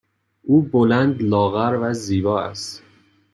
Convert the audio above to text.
او بلند، لاغر و زیبا است.